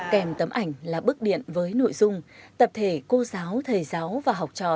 kèm tấm ảnh là bức điện với nội dung tập thể cô giáo thầy giáo và học trò